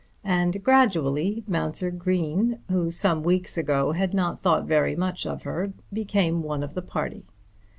And gradually Mounser Green, who some weeks ago had not thought very much of her, became one of the party.